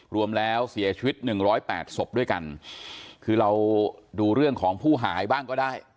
รวมแล้วเสียชีวิตหนึ่งร้อยแปดศพด้วยกันคือเราดูเรื่องของผู้หายบ้างก็ได้